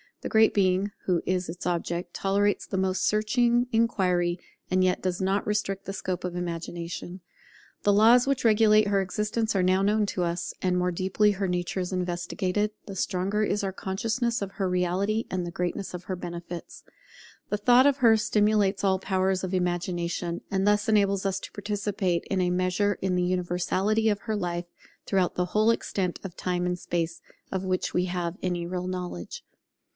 The Great Being, who is its object, tolerates the most searching inquiry, and yet does not restrict the scope of Imagination. The laws which regulate her existence are now known to us; and the more deeply her nature is investigated, the stronger is our consciousness of her reality and of the greatness of her benefits. The thought of her stimulates all the powers of Imagination, and thus enables us to participate in a measure in the universality of her life, throughout the whole extent of Time and Space of which we have any real knowledge.